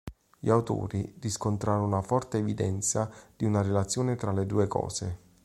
Gli autori riscontrarono una forte evidenza di una relazione tra le due cose.